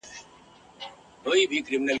شپه په اوښکو لمبومه پروانې چي هېر مي نه کې ..